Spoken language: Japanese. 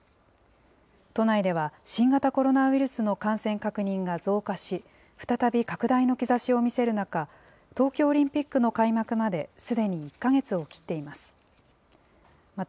都内では新型コロナウイルスの感染確認が増加し、再び拡大の兆しを見せる中、東京オリンピックの開幕まですでに１か月を切っています。